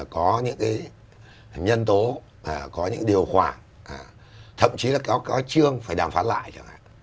có những cái nhân tố có những điều khoản thậm chí là có cái chương phải đàm phán lại chẳng hạn